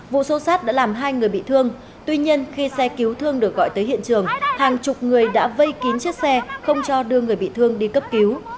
vụ xô xát đã làm hai người bị thương tuy nhiên khi xe cứu thương được gọi tới hiện trường hàng chục người đã vây kín chiếc xe không cho đưa người bị thương đi cấp cứu